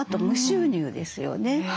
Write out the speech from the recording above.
無収入ですよね。